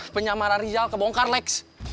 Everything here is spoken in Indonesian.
penyamaran rizal kebongkar lex